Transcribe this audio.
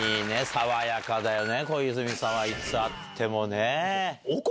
さわやかだよね小泉さんはいつ会ってもね。